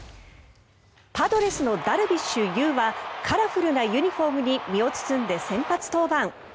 パドレスのダルビッシュ有はカラフルなユニホームに身を包んで先発登板。